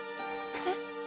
えっ？